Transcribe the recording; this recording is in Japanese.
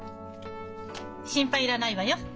心配いらないわよ。